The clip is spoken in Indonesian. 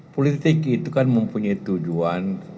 politik itu kan mempunyai tujuan